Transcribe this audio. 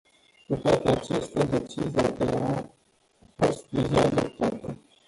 Cu toate acestea, decizia a fost deja adoptată.